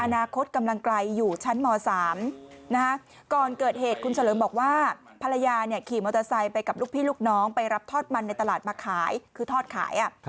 กำลังไกลอยู่ชั้นม๓ก่อนเกิดเหตุคุณเฉลิมบอกว่าภรรยาขี่มอเตอร์ไซค์ไปกับลูกพี่ลูกน้องไปรับทอดมันในตลาดมาขายคือทอดขาย